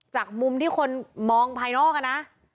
จากมุมที่คนมองภายนอกอะนะ